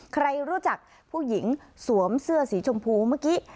ใครรู้จักผู้หญิงสวมเสื้อสีชมพูเมื่อกี้